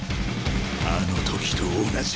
あのときと同じ。